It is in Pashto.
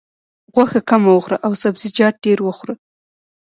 غوښه کمه وخوره او سبزیجات ډېر وخوره.